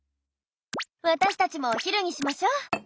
私たちもお昼にしましょ。